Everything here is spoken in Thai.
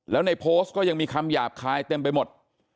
แล้วในโพสต์ก็ยังมีคำหยาบคายเต็มไปหมด